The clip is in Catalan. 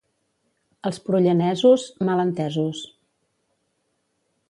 Els prullanesos, mal entesos.